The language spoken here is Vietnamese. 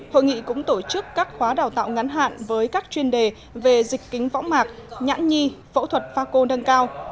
hội nghị cũng tổ chức các khóa đào tạo ngắn hạn với các chuyên đề về dịch kính võng mạc nhãn nhi phẫu thuật pha cô nâng cao